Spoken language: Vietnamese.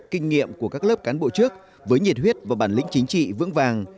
kinh nghiệm của các lớp cán bộ trước với nhiệt huyết và bản lĩnh chính trị vững vàng